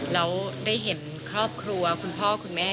แล้วได้เห็นครอบครัวคุณพ่อคุณแม่